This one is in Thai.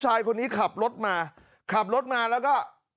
ชายคนนี้ขับรถมาขับรถมาแล้วก็